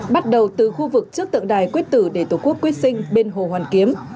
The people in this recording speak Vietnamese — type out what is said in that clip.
bắt đầu từ khu vực trước tượng đài quyết tử để tổ quốc quyết sinh bên hồ hoàn kiếm